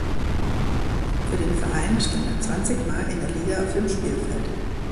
Für den Verein stand er zwanzigmal in der Liga auf dem Spielfeld.